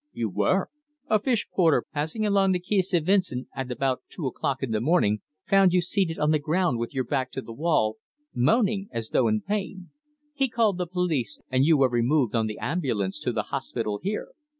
"You were. A fish porter passing along the Quay St. Vincent at about two o'clock in the morning found you seated on the ground with your back to the wall, moaning as though in pain. He called the police and you were removed on the ambulance to the hospital here.